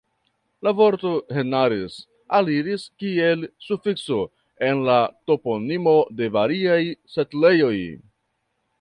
La vorto "henares" aliris, kiel sufikso, en la toponimo de variaj setlejoj.